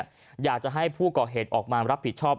อยากจะให้ผู้ก่อเหตุออกมารับผิดชอบ